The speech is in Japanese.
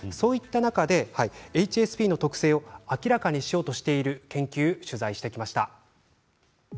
そういった中でＨＳＰの特性を明らかにしようとしている研究を取材してきました。